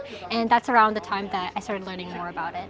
dan itu adalah waktu saya mulai belajar lebih banyak mengenai itu